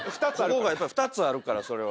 ここが２つあるからそれは。